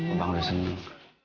abang udah seneng